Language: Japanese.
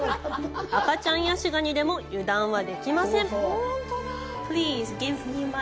赤ちゃんヤシガニでも油断はできません！